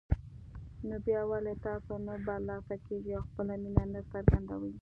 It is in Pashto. نو بيا ولې تاسو نه برلاسه کېږئ او خپله مينه نه څرګندوئ